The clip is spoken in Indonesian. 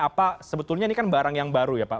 apa sebetulnya ini kan barang yang baru ya pak